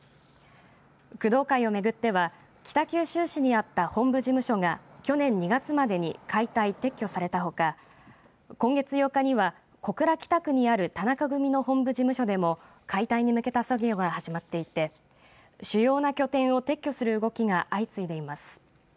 工藤会をめぐっては北九州市にあった本部事務所が去年２月までに解体、撤去されたほか今月８日には小倉北区にある田中組の本部事務所でも解体に向けた作業が始まっていて主要な拠点を撤去する動きが相次いでいます。